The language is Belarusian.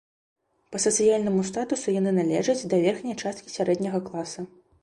Па сацыяльнаму статусу яны належаць да верхняй часткі сярэдняга класа.